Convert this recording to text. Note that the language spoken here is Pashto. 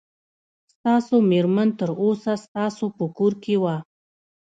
ستاسو مېرمن تر اوسه ستاسو په کور کې وه.